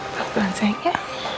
pelan pelan sayang ya